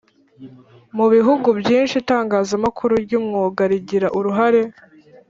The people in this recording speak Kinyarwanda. Mubihugu byinshi itangazamakuru ry’umwuga rigira uruhare